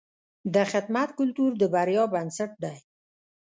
د خدمت کلتور د بریا بنسټ دی.